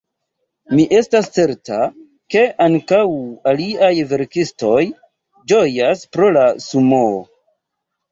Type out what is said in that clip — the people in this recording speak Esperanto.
Mi estas certa, ke ankaŭ aliaj verkistoj ĝojas pro la Sumoo.